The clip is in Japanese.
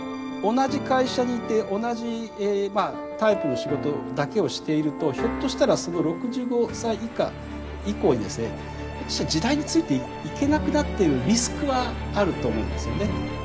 同じ会社にいて同じタイプの仕事だけをしているとひょっとしたら６５歳以降にですね時代についていけなくなってるリスクはあると思うんですよね。